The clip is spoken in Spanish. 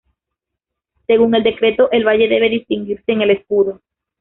Según el decreto el valle debe distinguirse en el escudo.